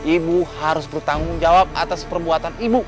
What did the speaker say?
ibu harus bertanggung jawab atas perbuatan ibu